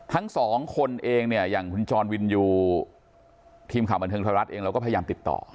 ทั้งสองคนเองเนี่ยอย่างคุณจรวินยูทีมข่าวบันเทิงไทยรัฐเองเราก็พยายามติดต่อ